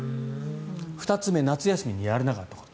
２つ目夏休みにやらなかったこと。